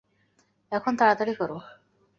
এখন তাড়াতাড়ি করো।